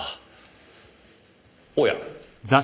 おや。